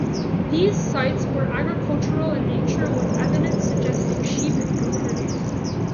These sites were agricultural in nature with evidence suggesting sheep and goat herding.